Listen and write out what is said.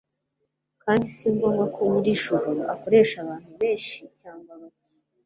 kandi si ngombwa ko nyir'ijuru akoresha abantu benshi cyangwa se bake